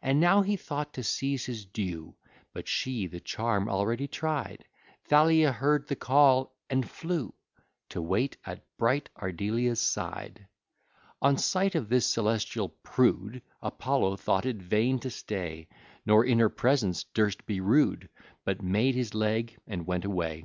And now he thought to seize his due; But she the charm already try'd: Thalia heard the call, and flew To wait at bright Ardelia's side. On sight of this celestial prude, Apollo thought it vain to stay; Nor in her presence durst be rude, But made his leg and went away.